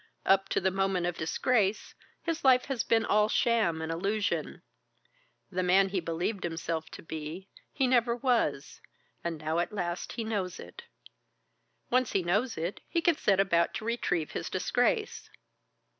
Up to the moment of disgrace his life has all been sham and illusion; the man he believed himself to be, he never was, and now at the last he knows it. Once he knows it, he can set about to retrieve his disgrace.